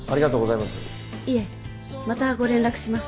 いえまたご連絡します。